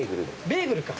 「ベーグル」か。